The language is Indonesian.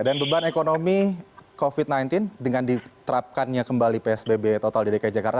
dan beban ekonomi covid sembilan belas dengan diterapkannya kembali psbb total dki jakarta